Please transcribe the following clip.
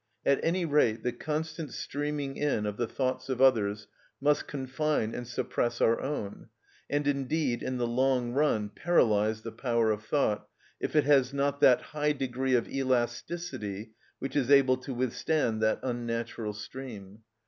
At any rate the constant streaming in of the thoughts of others must confine and suppress our own, and indeed in the long run paralyse the power of thought if it has not that high degree of elasticity which is able to withstand that unnatural stream.